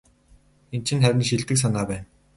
Энэ чинь харин шилдэг санаа байна.